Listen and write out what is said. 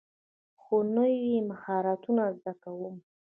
هو، نوی مهارتونه زده کوم